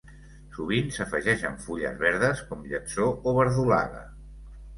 Sovint s'afegeixen fulles verdes com lletsó o verdolaga.